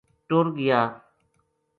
ٹُر گیا